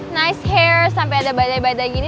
nice care sampai ada badai badai gini